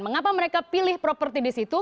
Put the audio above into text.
mengapa mereka pilih properti di situ